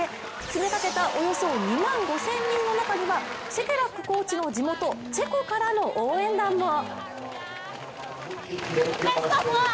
詰めかけたおよそ２万５０００人の中にはシェケラックコーチの地元・チェコからの応援団も。